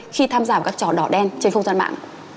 khi tham gia vào các trò đỏ đen trên phông trang mạng